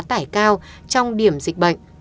tải cao trong điểm dịch bệnh